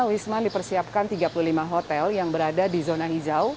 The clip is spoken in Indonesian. wisman dipersiapkan tiga puluh lima hotel yang berada di zona hijau